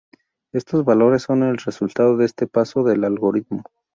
Estos valores son el resultado de este paso del algoritmo.